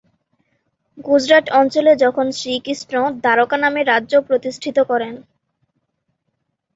গুজরাট অঞ্চলে যখন শ্রীকৃষ্ণ দ্বারকা নামে রাজ্য প্রতিষ্টিত করেন।